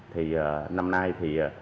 thì năm nay thì